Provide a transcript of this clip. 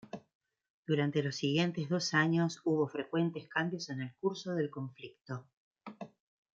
Durante los siguientes dos años hubo frecuentes cambios en el curso del conflicto.